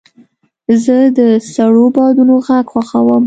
زه د سړو بادونو غږ خوښوم.